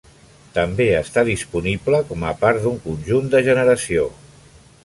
També està disponible com a part d'un conjunt de generació.